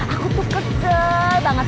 aku tuh kecel banget